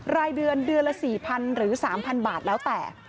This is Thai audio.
รายเดือนเดือนละ๔๐๐๐หรือ๓๐๐บาทแล้วแต่